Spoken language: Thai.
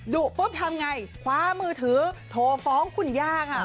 ดุปุ๊บทำไงคว้ามือถือโทรฟ้องคุณย่าค่ะ